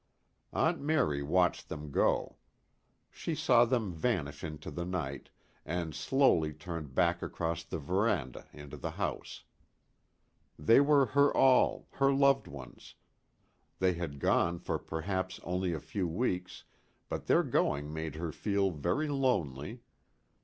Aunt Mary watched them go. She saw them vanish into the night, and slowly turned back across the veranda into the house. They were her all, her loved ones. They had gone for perhaps only a few weeks, but their going made her feel very lonely.